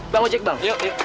bang ojek bang